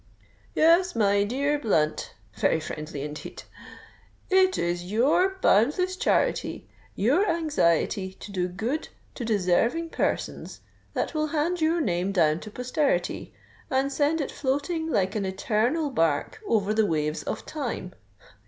'Yes, my dear Blunt,'—very friendly indeed!—'_it is your boundless charity, your anxiety to do good to deserving persons, that will hand your name down to posterity, and send it floating like an eternal bark, over the waves of Time.